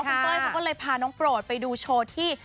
คุณเป้ยเขาก็เลยพาน้องโปรดไปดูโชว์ที่